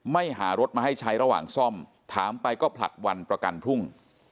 หารถมาให้ใช้ระหว่างซ่อมถามไปก็ผลัดวันประกันพรุ่ง